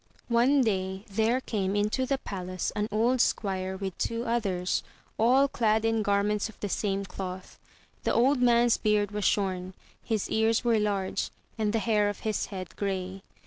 One day there came into the palace an old squire with two others, all clad in garments of the same cloth. The old man's beard was shorn, his ears were large, and the hair of his head grey.